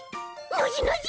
ノジノジ？